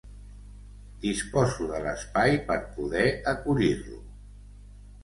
Disposo de l'espai per poder acollir-lo.